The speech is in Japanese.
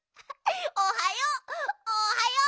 おはようおはよう！